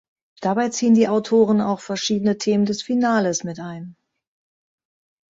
Dabei ziehen die Autoren auch verschiedene Themen des Finales mit ein.